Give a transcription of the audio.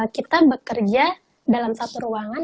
kita bekerja dalam satu ruangan